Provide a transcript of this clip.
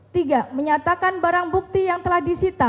tiga menyatakan barang bukti yang telah disita